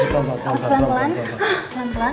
harus pelan pelan pelan pelan